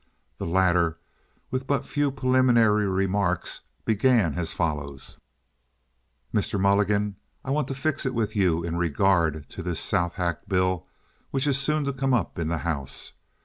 The latter, with but few preliminary remarks, began as follows: "Mr. Mulligan, I want to fix it with you in regard to this Southack bill which is soon to come up in the house.